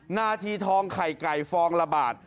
นาทีทองไข่ไก่ฟองละบาท